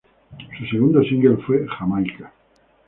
Su segundo single fue "Jamaica".